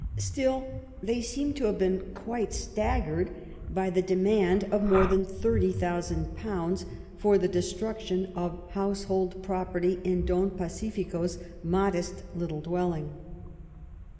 Still, they seem to have been quite staggered by the demand of more than thirty thou sand pounds for the destruction of household property in Don Pacifico's modest little dwelling.